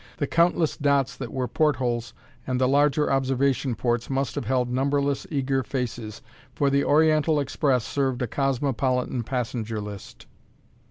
The countless dots that were portholes and the larger observation ports must have held numberless eager faces, for the Oriental Express served a cosmopolitan passenger list.